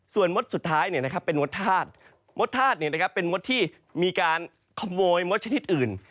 ส่วนงดสุดท้ายเป็นงดธาตุงดธาตุเป็นงดที่มีการขโมยมดชนิดอื่น